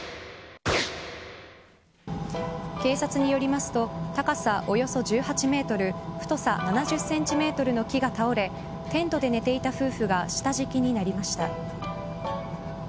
警察によりますと高さおよそ１８メートル太さ７０センチメートルの木が倒れテントで寝ていた夫婦が下敷きになりました。